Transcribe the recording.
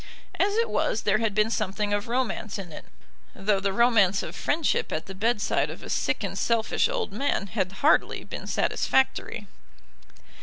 As it was there had been something of romance in it, though the romance of friendship at the bedside of a sick and selfish old man had hardly been satisfactory.